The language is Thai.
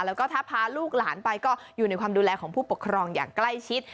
แล้วก็ถ้าพาลูกหลานไปก็อยู่ในความดูแลของผู้ปกครองอย่างใกล้ชิด